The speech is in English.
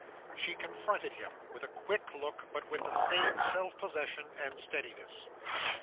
She confronted him, with a quick look, but with the same self possession and steadiness.